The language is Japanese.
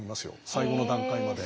最後の段階まで。